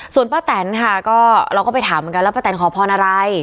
ส่วนป้าแตนค่ะก็เราก็ไปถามเหมือนกันแล้วป้าแตนขอพรอะไร